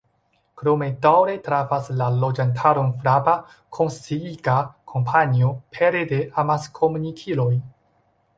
Krome daŭre trafas la loĝantaron frapa, konsciiga kampanjo pere de amaskomunikiloj.